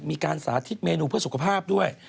มีการสาธิตเมนูเพื่อสุขภาพด้วย